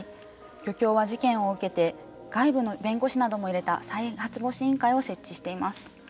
漁協は事件を受けて外部の弁護士なども入れた再発防止委員会を設置しています。